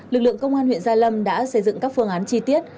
lực lượng công an huyện gia lâm đã xây dựng các phương án chi tiết